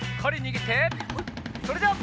それじゃあ。